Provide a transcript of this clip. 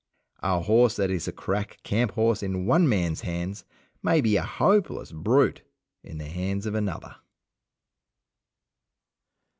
A horse that is a crack camp horse in one man's hands may be a hopeless brute in the hands of another.